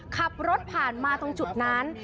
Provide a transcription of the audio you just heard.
ขับรถผ่านมาตรงจุดนั้น